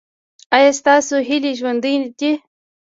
ایا ستاسو هیلې ژوندۍ دي؟